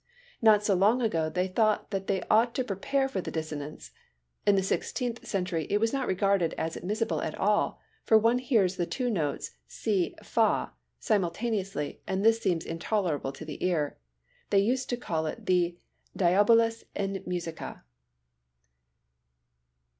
Not so long ago they thought that they ought to prepare for the dissonance. In the Sixteenth Century it was not regarded as admissible at all, for one hears the two notes si and fa simultaneously and this seems intolerable to the ear. They used to call it the Diabolus in musica.